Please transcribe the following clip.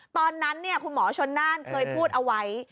ตอนนั้นคุณหมอชนน่านเคยพูดเอาไว้